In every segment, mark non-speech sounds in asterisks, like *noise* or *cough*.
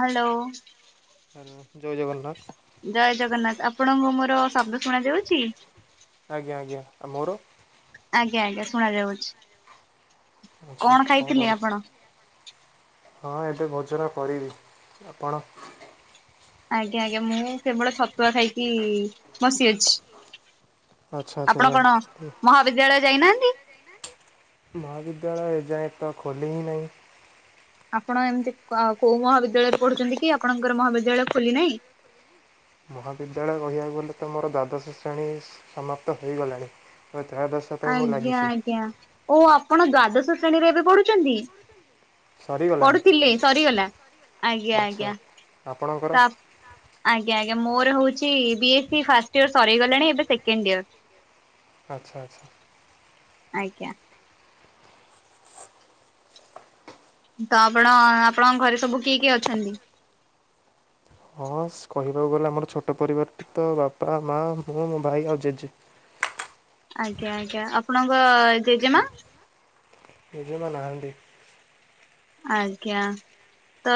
Hello. ଆ ଜୟ ଜଗନ୍ନାଥ। ଜୟ ଜଗନ୍ନାଥ, ଆପଣଙ୍କୁ ମୋର ଶବ୍ଦ ଶୁଣ ଯାଉଚି? ଆଜ୍ଞା ଆଜ୍ଞା ଆଉ ମୋର? ଆଜ୍ଞା ଆଜ୍ଞା ଶୁଣା ଯାଉଚି। ଆଚ୍ଛା କଣ ଆଚ୍ଛା ଖାଇଥିଲେ କରୁଛି ଆପଣ? ହଁ ଏବେ ଭୋଜନ କରିବି। ଆପଣ? ଆଜ୍ଞା ଆଜ୍ଞା ମୁଁ କେବଳ ଛତୁଆ ଖାଇକି ବସିଅଛି। ଆଚ୍ଛା ଆଚ୍ଛା ଆପଣ କଣ ମହାବିଦ୍ୟାଳୟ ଯାଇନାହାନ୍ତି? ମହାବିଦ୍ୟାଳୟ ଏଯାଏଁ ତ ଖୋଲି ହିଁ ନାହିଁ। ଆପଣ ଏମିତି ଅ କୋଉ ମହାବିଦ୍ୟାଳୟରେ ପଢୁଚନ୍ତି କି ଆପଣଙ୍କର ମହାବିଦ୍ୟାଳୟ ଖୋଲି ନାହିଁ? ମହାବିଦ୍ୟାଳୟ କହିବାକୁ ଗଲେ ତ ମୋର ଦ୍ୱାଦଶ ଶ୍ରେଣୀ ସମାପ୍ତ ହୋଇଗଲାଣି। ତ୍ରୟୋଦଶ ପାଇଁ ମୁଁ ଆଜ୍ଞା ଲାଗିଛି ଆଜ୍ଞା ଓ ଆପଣ ଦ୍ଵାଦଶ ଶ୍ରେଣୀରେ ଏବେ ପଢୁଚନ୍ତି? ସରିଗଲାଣି ପଢୁଥିଲେ ସରିଗଲା। ଆଜ୍ଞା ଆଚ୍ଛା ଆଜ୍ଞା ଆପଣଙ୍କର ତା ଆଜ୍ଞା ଆଞା ମୋର ହଉଚି B S C first year ସରିଗଲାଣି ଏବେ ସେକଣ୍ଡ ଇୟର। ଆଚ୍ଛା ଆଚ୍ଛା। ଆଜ୍ଞା। ତ ଆପଣ ଆପଣଙ୍କ ଘରେ ସବୁ କିଏ କିଏ ଅଛନ୍ତି? ହଁ କହିବାକୁ ଗଲେ ଆମର ଛୋଟ ପରିବାରଟି ତ ବାପା ମା ମୁଁ ଭାଇ ଆଉ ଜେଜେ। ଆଜ୍ଞା ଆଜ୍ଞା ଆପଣଙ୍କ ଜେଜେମା? ଜେଜେମା ନାହାନ୍ତି। ଆଜ୍ଞା। ତ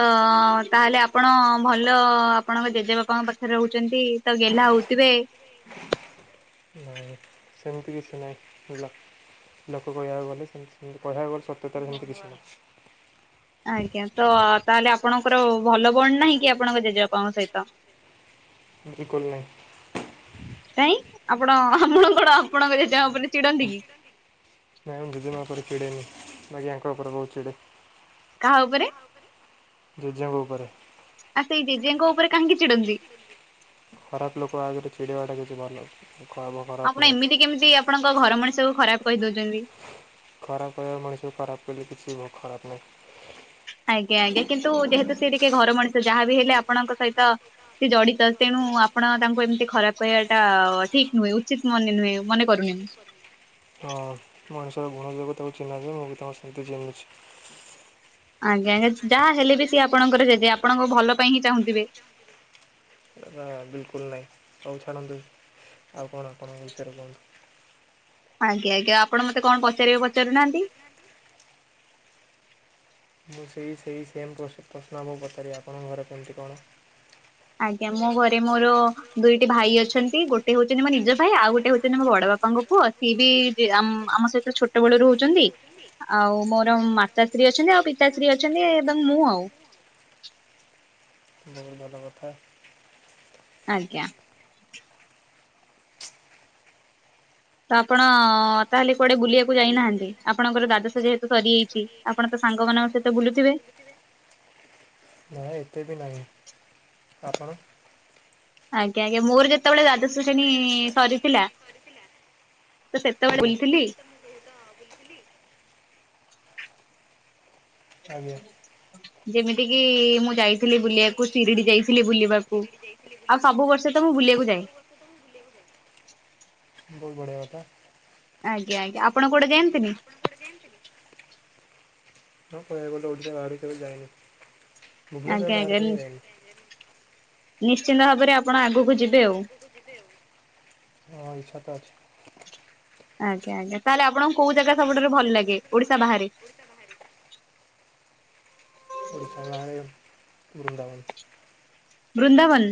ତାହେଲେ ଆପଣ ଭଲ ଆପଣଙ୍କ ଜେଜେବାପାଙ୍କ ପାଖରେ ରହୁଚନ୍ତି ତ ଗେଲ୍ହା ଥା ହଉଥିବେ? ନାଇଁ ସେମିତି କିଛି ନାହିଁ ବୁଝିଲ। ଲୋକ କହିବାକୁ ଗଲେ ସେମିତି ସେତ କହିବାକୁ ଗଲେ ସତ୍ୟତାରେ ସେମିତି କିଛି ନାହିଁ। ଆଜ୍ଞା ତ ତାହେଲେ ଆପଣଙ୍କର ଭଲ ବଣ୍ଡ ନାହିଁ କି ଆପଣଙ୍କ ଜେଜେବାପାଙ୍କ ସହିତ? ଵିଲକୁଲ ନାହିଁ। କାଇଁ ଆପଣ ଆମଳଙ୍କଡ ଆପଣଙ୍କ ଜେଜେମା ଉପରେ ଚିଡନ୍ତି କି? ନାଇଁ ମୁଁ ଜେଜେମା ଉପରେ ଚିଡ଼େ ନିଁ ବାକି ଆଙ୍କ ଉପରେ ବହୁତ ଚିଡ଼େ। କାହା ଉପରେ? ଜେଜେଙ୍କ ଉପରେ। ଆ ସେଇ ଜେଜେଙ୍କ ଉପରେ କାହିଁକି ଚିଡନ୍ତି? ଖରାପ ଲୋକ ଆଗରେ ଚିଡିବାଟା କିଛି ଭଲ। ଖରାପ ଆପଣ ନୁହଁ ଏମିତି କେମିତି ଆପଣଙ୍କ ଘର ମଣିଷଙ୍କୁ ଖରାପ କହିଦଉଚନ୍ତି? ଖରାପ କହିବା ମଣିଷକୁ ଖରାପ କହିଲେ କିଛି ଖରାପ ନାହିଁ। ଆଜ୍ଞା ଆଜ୍ଞା କିନ୍ତୁ ଯେହେତୁ ସେ ଟିକେ ଘର ମଣିଷ ଯାହାବି ହେଲେ ଆପଣଙ୍କ ସହିତ ସିଏ ଜଡିତ ତେଣୁ। ଆପଣ ତାଙ୍କୁ ଏମିତି ଖରାପ କହିବା ଟା ଠିକ ନୁହେଁ ଉଚିତ ମନେ ନୁହେଁ ମନେ କରୁନି। *inaudible* ହଁ ମଣିଷର ଗୁଣଯୋଗୁଁ ତାକୁ ଚିନ୍ହା ଯିବ ମୁଁ ବି ତାଙ୍କୁ ସେମିତି ଚିଂନହୁଚି। ଆଜ୍ଞା ଯାହା ହେଲେ ବି ସିଏ ଆପଣଙ୍କର ଜେଜେ ଆପଣଙ୍କ ଭଲ ପାଇଁ ହିଁ ଚାହୁଁଥିବେ। ରା ବିଲକୁଲ ନାହିଁ, ହଉ ଛାଡ଼ନ୍ତୁ ଆଉ କଣ ଆପଣଙ୍କ ବିଷୟରେ କୁହନ୍ତୁ। ଆଜ୍ଞା ଆଜ୍ଞା ଆପଣ ମତେ କଣ ପଚାରିବେ ପଚାରୁନାହାନ୍ତି? ମୁଁ ସେଇ ସେଇ ସେମ୍ ପ୍ରଶ୍ନକୁ ପଚାରିବି ଆପଣଙ୍କ ଘରେ କେମିତି କଣ? ଆଜ୍ଞା ମୋ ଘରେ ମୋର ଦୁଇଟି ଭାଇ ଅଛନ୍ତି ଗୋଟେ ହଉଛନ୍ତି ମୋ ନିଜ ଭାଇ ଆଉ ଗୋଟେ ହଉଛନ୍ତି ମୋ ବଡ ବାପାଙ୍କ ପୁଅ ହ ସିଏ ବି ଆମ ସହିତ ଛୋଟ ବେଳୁ ରହୁଚନ୍ତି। ଆଉ ମୋର ମାତାଶ୍ରୀ ଅଛନ୍ତି ଆଉ ପିତାଶ୍ରୀ ଅଛନ୍ତି ଏବଂ ମୁଁ ଆଉ। ବହୁତ ଭଲ କଥା ଆଞା। ତ ଆପଣ ତାହେଲେ କୁଆଡେ ବୁଲିବାକୁ ଯାଇନାହାନ୍ତି? ଆପଣଙ୍କର ଦ୍ଵାଦଶ ଯେହେତୁ ସରିଯାଇଛି। ଆପଣ ତ ସାଙ୍ଗ ମାନଙ୍କ ସହିତ ବୁଲୁଥିବେ? ନାଇ ଏତେ ବି ନାହିଁ। ଆପଣ? ଆଜ୍ଞା ଆଜ୍ଞା ମୋର ଯେତେବେଳେ ଦ୍ୱାଦଶ ଶ୍ରେଣୀ ସରିଥିଲା। ତ ସେତେବେଳେ ଆଜ୍ଞା। ବୁଲଥିଲି। ଆଜ୍ଞା। ଯେମିତିକି ମୁଁ ଯାଇଥିଲି ବୁଲିବାକୁ, ଶିରିଡି ଯାଇଥିଲି ବୁଲିବାକୁ। ଆଉ ସବୁ ବର୍ଷ ତ ମୁଁ ବୁଲିବାକୁ ଯାଏ। *unintelligible* ଆଜ୍ଞା ଆଜ୍ଞା ଆପଣ କୁଆଡେ ଯାଆନ୍ତିନି? ତ କହିବାକୁ ଗଲେ ଓଡ଼ିଶା ବାହାରୁ କେବେ ଯାଇନି, ଆଜ୍ଞା ଭୁବନେଶ୍ଵର ଆଜ୍ଞା ବାହାରକୁ କେବେ ଯାଇନି? ନିଶ୍ଚିନ୍ତ ଭାବରେ ଆପଣ ଆଗକୁ ଯିବେ ଆଉ। ହଁ ଇଚ୍ଛା ତ ଅଛି। ଆଜ୍ଞା ଆଜ୍ଞା ତାହେଲେ ଆପଣଙ୍କୁ କୋଉ ଜାଗା, ସବୁଠାରୁ ଭଲ ଲାଗେ ଓଡିଶା ବାହାରେ? ଓଡ଼ିଶା ବାହାରେ *unintelligible* ବୃନ୍ଦାବନ।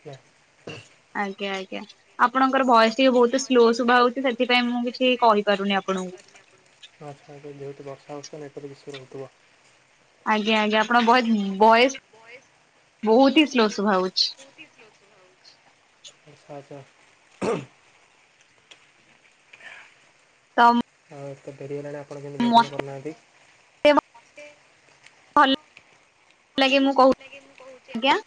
*unintelligible* ଆଜ୍ଞା ଆଜ୍ଞା ଆପଣଙ୍କର ଭଏସ ଟିକେ ବହୁତ ସ୍ଲୋ ଶୁଭା ହଉଛି, ସେଥିପାଇଁ ମୁଁ କିଛି କହିପାରୁନି ଆପଣଙ୍କୁ। ଆଛ ଯେହେତୁ ବର୍ଷା ହେଉଥିବ ନେଟୱାର୍କ ବେଶି ରହୁଥିବ। ଆଜ୍ଞା ଆଜ୍ଞା ଆପଣ ଭଏ ଭଏସ ବହୁତ ହି ସ୍ଲୋ ଶୁଭାହଉଛି। ଆଛା। ତମ ଆଉ ଏତେ ଡେରି ହେଲାଣି ଆପଣ କେମିତି ଭୋଜନ କରିନାହାନ୍ତି? ଭଲ ଲାଗେ ମୁଁ କହୁଛି ଆଜ୍ଞା।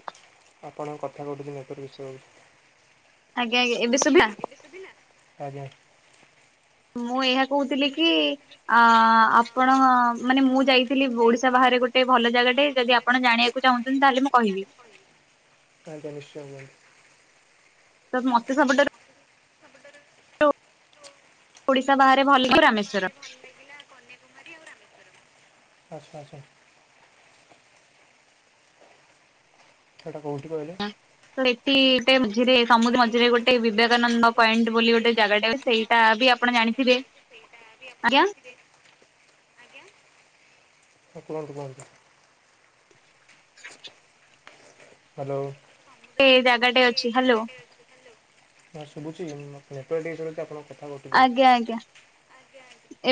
ଆପଣଙ୍କ କଥା କଟୁଚି, ନେଟୱାର୍କ ଇସୁ ହଉଚି। ଆଜ୍ଞା ଆଜ୍ଞା ଏବେ ଶୁଭିଲା? ଆଜ୍ଞା। ମୁଁ। ମୁଁ ଏହା କହୁଥିଲି କି ଆପଣ ମାନେ ମୁଁ ଯାଇଥିଲି, ଓଡିଶା ବାହାରେ ଗୋଟେ ଭଲ ଭଲ ଜାଗାଟେ ଯଦି ଆପଣ ଜାଣିବାକୁ ଚାହୁଁଛନ୍ତି? ତାହେଲେ ମୁଁ କହିବି। ଆଜ୍ଞା ନିଶ୍ଚୟ। ତ ମତେ ସବୁଠାରୁ ଓଡିଶା ବାହାରେ ଭଲ ରାମେସ୍ଵରମ୍। ଆଚ୍ଛା ଆଚ୍ଛା। ସେଇଟା କେଉଁଠି କହିଲେ? ତ *unintelligible* ମଝିରେ ସମୁଦ୍ର ମଝିରେ ଗୋ ଗୋଟେ ବିବେକାନନ୍ଦ ପଏଣ୍ଟ ବୋଲି ଗୋଟେ ଜାଗାଟା ଅଛି, ସେଇଟା ବି ଆପଣ ଜାଣିଥିବେ। ଆଜ୍ଞା। କୁହନ୍ତୁ କୁହନ୍ତୁ? ହ୍ୟାଲୋ। ଏଇ ଜାଗାଟେ ଅଛି, ହ୍ୟାଲୋ। ହଁ ଶୁଭୁଛିି, ନେଟୱାର୍କ *unintelligible* ଆପଣଙ୍କର। ଆଜ୍ଞା ଆଜ୍ଞା।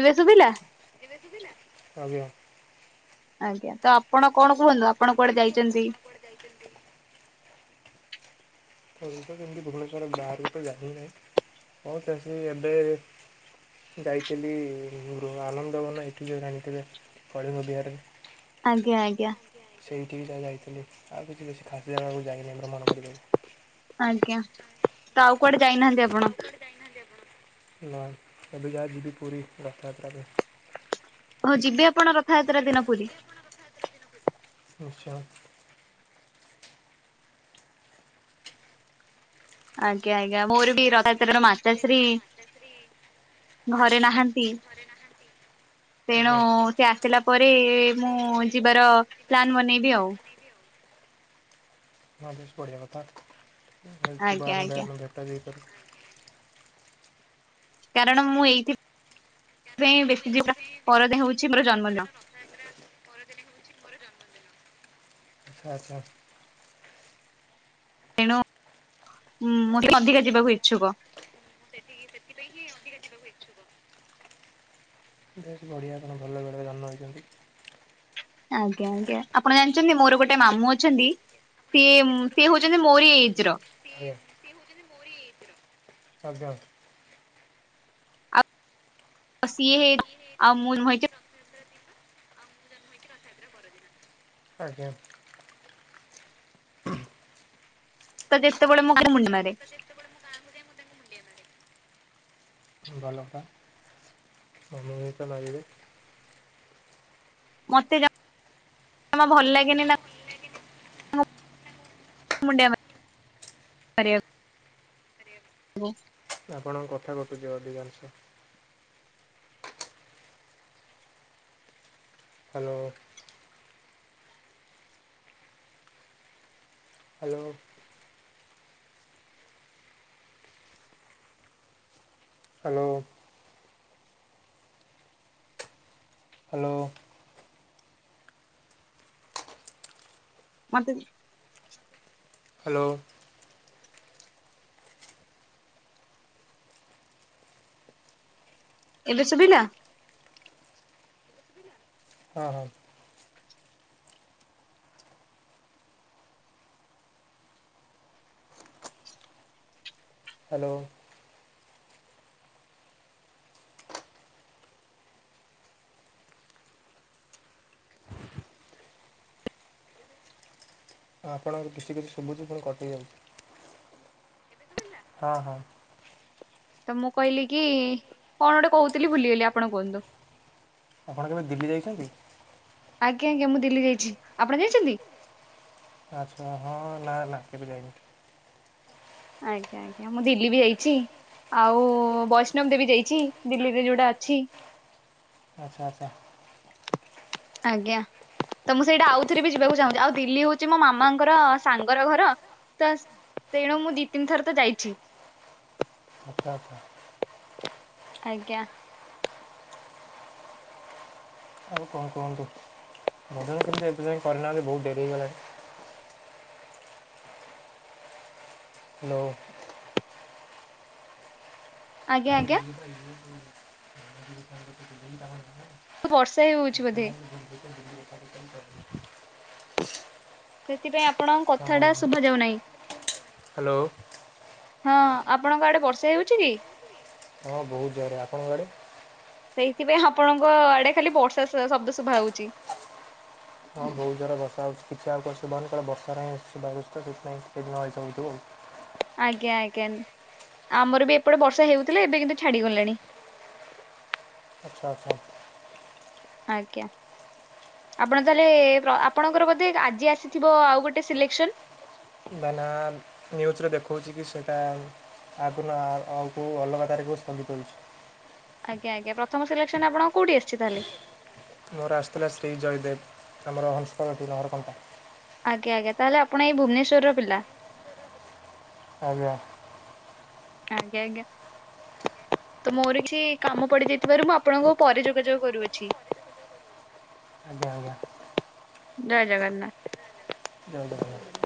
ଏବେ ଶୁଭିଲା? ଆଜ୍ଞା। ଆଜ୍ଞା ତ ଆପଣ କଣ କୁହନ୍ତୁ, ଆପଣ କୁଆଡେ ଯାଇଛନ୍ତି? ସେଇ। *inaudible* ଯେମିତି ଭୁବନେଶ୍ୱର ଗାଁ ରେ ଏତେ *unintelligible* ଏବେ ଯାଇଥିଲି ଆନନ୍ଦବନ ଏଠି ଯ ଜାଣିଥିଲେ କଳିଙ୍ଗ ବିହାରରେ ଆଜ୍ଞା ଆଜ୍ଞା। ସେଇଠି ବି ଯାହା ଯାଇଥିଲି ଆଉ କିଛି ବେଶୀ ଖାସ୍ ଜାଗାକୁ ଯାଇନି ଆମର ମନ ପଡ଼ିବନି। ଆଜ୍ଞା ତ ଆଉ କୁଆଡେ ଯାଇନାହାନ୍ତି ଆପଣ? ନା ଏବେ ଯା ଯିବି ପୁରୀ ରଥଯାତ୍ରାରେ। ହଉ ଯିବେ ଆପଣ ରଥଯାତ୍ରା ଦିନ ପୁରୀ। ଆଚ୍ଛା। ଆଜ୍ଞା ଆଜ୍ଞା ମୋର ବି *unintelligible* ମାତାଶ୍ରୀ। ଘରେ ନାହାନ୍ତି। ତେଣୁ ଆଜ୍ଞା ସେ ଆସିଲା ପରେ ମୁଁ ଯିବାର ପ୍ଲାନ୍ ବନେଇବି ଆଉ। ନଲେଜ୍ ବଢ଼ିବା କଥା। ଆଜ୍ଞା ଆଜ୍ଞା *unintelligible* କାରଣ ମୁଁ ଏଇଥି *unintelligible* ପରଦିନ ହଉଛି ମୋର ଜନ୍ମଦିନ। ଆଚ୍ଛା ଆଚ୍ଛା। ତେଣୁ ମୋତେ ଅଧିକା ଯିବାକୁ ଇଚ୍ଛୁକ। ସେଥିପାଇଁ ଅଧିକ ଯିବାକୁ ବେଶ ବଢ଼ିଆ ଆପଣ ଭଲ ବେଳେ ଜନ୍ମ ହେଇଛନ୍ତି। ଆଜ୍ଞା ଆଜ୍ଞା ଆପଣ ଜାଣିଛନ୍ତି ମୋର ଗୋଟେ ମାମୁଁ ଅଛନ୍ତି ସିଏମ୍ ସିଏ ହଉଛନ୍ତି ମୋରି ଏଜ ର। ସିଏ *unintelligible* ପୁରୀ *unintelligible* ସିଏ ଆଉ ମୁଁ ନୁହେଁ ଯେ ଆଜ୍ଞା। *inaudible* ତ ଯେତେ ବେଳେ *unintelligible* ମୁଣ୍ଡ ମାରେ। ଭଲ କଥା। *unintelligible* ମତେ ଜ ଜମା ଭଲ ଲାଗେନି ନା। ମୁଣ୍ତିଆ ମାରିବାକୁ ଆପଣଙ୍କ କଥା କଟୁଛି ଅଧିକାଂଶ। Hello. Hello hello. Hello *unintelligible* hello. ଏବେ ସୁବିଲା? ହଁ ହଁ ହ୍ୟାଲୋ। ହଁ ଆପଣଙ୍କର କିଛି କିଛି ଶୁଭୁଛି ପୁଣି କଟି ଯାଉଛି। ହଁ ହଁ। ତ ମୁଁ କହିଲି କି କଣ ଗୋଟେ କହୁଥିଲି ଭୁଲିଗଲି ଆପଣ କୁହନ୍ତୁ। ଆପଣ କେବେ ଦିଲ୍ଲୀ ଯାଇଛନ୍ତି? ଆଜ୍ଞା ଆଜ୍ଞା ମୁଁ ଦିଲ୍ଲୀ ଯାଇଛି। ଆପଣ ଯାଇଛନ୍ତି? ଆଚ୍ଛା ହଁ ନା ନା କେବେ ଯାଇନି। ଆଜ୍ଞା ଆଜ୍ଞା ମୁଁ ଦିଲ୍ଲୀ ବି ଯାଇଚି। ଆଉ ବୈଷ୍ଣବ ଦେବୀ ଯାଇଛି। ଦିଲ୍ଲୀରେ ଯୋଉଟା ଅଛି। ଆଚ୍ଛା ଆଚ୍ଛା। ଆଜ୍ଞା। ତ ମୁଁ ସେଇଟା ଆଉଥରେ ବି ଯିବାକୁ ଚାହୁଁଛି। ଆଉ ଦିଲ୍ଲୀ ହଉଛି ମୋ ମାମାଙ୍କର ସାଙ୍ଗର ଘର ତ ତେଣୁ ମୁଁ ଦି ତିନି ଥର ତ ଯାଇଛି। ଆଚ୍ଛା ଆଚ୍ଛା। ଆଜ୍ଞା ଆଉ କଣ କୁହନ୍ତୁ? ଭଜନ କିନ୍ତୁ ଏବେ ଯାଏ କରିନାହାନ୍ତି ବହୁତ ଡେରି ହେଇଗଲାଣି। ହ୍ୟାଲୋ ଆଜ୍ଞା ଆରେ ଆଜ୍ଞା *unintelligible* ବର୍ଷା ଦ ହେଉଛି ବୋଧେ ଦ *unintelligible* ସେଥିପାଇଁ ଆପଣଙ୍କ କଥା ହଁ ଟା ଶୁଭା ଯାଉନାହିଁ। ହ୍ୟାଲୋ ହଁ ଆପଣଙ୍କ ଆଡେ ବର୍ଷା ହେଉଛି କି? ହଁ ବହୁତ ଜୋରରେ ଆପଣଙ୍କ ଆଡେ? ସେଇଥିପାଇଁ ଆପଣଙ୍କ ଆଡେ ଖାଲି ବର୍ଷା ଶବ୍ଦ ଶୁଭା ଯାଉଛି। ହଁ ବହୁତ ଜୋରରେ ବର୍ଷା ହେଉଛି ଆଉ କହ ବର୍ଷା ରେ ସେଥିପାଇଁ ଦିନ ହେଇ ହଉଥିବ ଆଉ *unintelligible* ଆଜ୍ଞା ଆଜ୍ଞା ଆମର ବି ଏପଟେ ବର୍ଷା ହେଉଥିଲା ଏବେ କିନ୍ତୁ ଛାଡିଗଲାଣି। *inaudible* ଆଚ୍ଛା ଆଚ୍ଛା ଆଜ୍ଞା ଆପଣ ତାହଲେ ଆପଣଙ୍କର ବୋଧେ ଏଟା ଆଜି ଆସିଥିବ ଆଉ ଗୋଟେ ସିଲେକ୍ସନ ନା ନା ନିଉଜ ରେ ଦେଖଉଛି କି ସେଟା - ଆଉ ଅଲଗା ତାରକୁ ଦଉଛି। *unintelligible* *unintelligible* *unintelligible* ଆଜ୍ଞା ଆଜ୍ଞା ପ୍ରଥମ ସିଲେକ୍ସନ ଆପଣଙ୍କ କୋଉଠି ଆସିଛି ତାହେଲେ। ମୋର ଆସିଥିଲା ଶ୍ରୀ ଜୟଦେବ ଆମର ହଂସକଟି ନହରକଣ୍ଟା। ଆଜ୍ଞା ଆଜ୍ଞା ତାହଲେ ଆପଣ ଏଇ ଭୁବନେଶ୍ୱର ର ପିଲା। ଆଜ୍ଞା ଆଜ୍ଞା ଆଜ୍ଞା ତ ମୋର କିଛି କାମ ପଡି ଯାଇଥିବାରୁ ମୁଁ ଆପଣଙ୍କୁ ପରେ ଯୋଗାଯୋଗ କରୁଅଛି। *inaudible* ଆଜ୍ଞା ଆଜ୍ଞା ଜୟ ଜଗନ୍ନାଥ ଜୟ ଜଗନାଥ